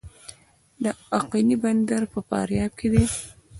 د اقینې بندر په فاریاب کې دی